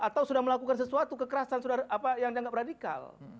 atau sudah melakukan sesuatu kekerasan yang dianggap radikal